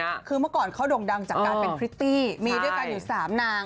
ก็คือเมื่อก่อนเขาดงดังแต่ว่าเป็นคิตตีส์มีทางอยู่สามนาง